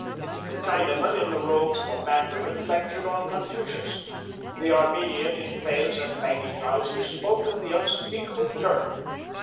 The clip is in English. The Chinaman, in the robes of a mandarin, lectured on Confucius. The Armenian, in fez and baggy trousers, spoke of the Unspeakable Turk.